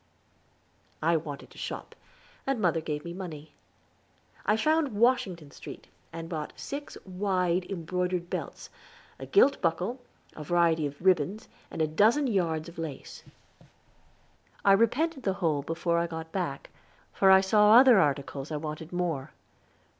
I wanted to shop, and mother gave me money. I found Washington Street, and bought six wide, embroidered belts, a gilt buckle, a variety of ribbons, and a dozen yards of lace. I repented the whole before I got back; for I saw other articles I wanted more.